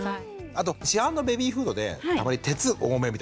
あと市販のベビーフードでたまに鉄多めみたいな。